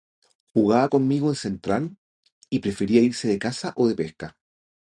Jugaba conmigo en Central y prefería irse de caza o de pesca.